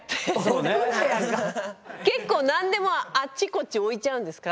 結構何でもあっちこっち置いちゃうんですか？